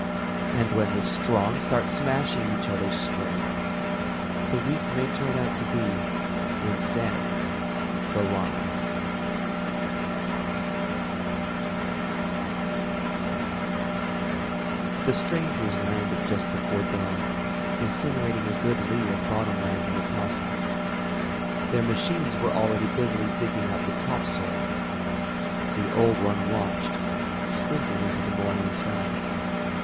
And when the Strong start smashing each other's strength ... the Weak may turn out to be, instead, the Wise._ BY G. C. EDMONDSON Illustrated by Freas The strangers landed just before dawn, incinerating a good li of bottom land in the process. Their machines were already busily digging up the topsoil. The Old One watched, squinting into the morning sun.